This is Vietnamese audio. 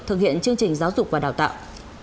thực hiện chương trình giáo dục và đào tạo